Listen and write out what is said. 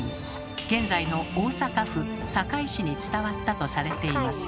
現在の大阪府堺市に伝わったとされています。